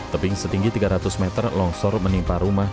tebing setinggi tiga ratus meter longsor menimpa rumah